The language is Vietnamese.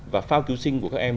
và phao cứu sinh của các em